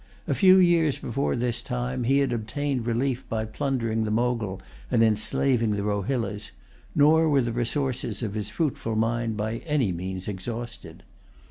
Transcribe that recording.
A few years before this time he had obtained relief by plundering the Mogul and enslaving the Rohillas; nor were the resources of his fruitful mind by any means exhausted.